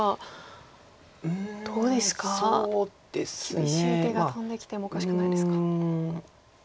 厳しい手が飛んできてもおかしくないですが。